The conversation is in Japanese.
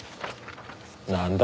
なんだ？